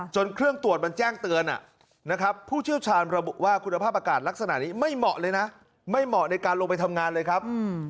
เครื่องตรวจมันแจ้งเตือนนะครับผู้เชี่ยวชาญระบุว่าคุณภาพอากาศลักษณะนี้ไม่เหมาะเลยนะไม่เหมาะในการลงไปทำงานเลยครับ